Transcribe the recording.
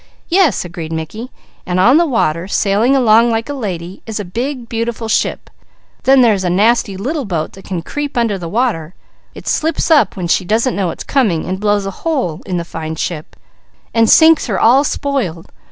"Yes," agreed Mickey. "And on the water, sailing along like a lady, is a big, beautiful ship. Then there's a nasty little boat that can creep under the water. It slips up when she doesn't know it's coming, and blows a hole in the fine ship and sinks her all spoiled.